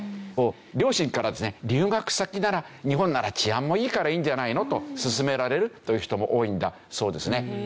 両親からですね留学先なら日本なら治安もいいからいいんじゃないのと勧められるという人も多いんだそうですね。